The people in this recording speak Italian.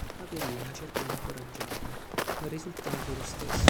Paperina cerca di incoraggiarlo, ma il risultato è lo stesso.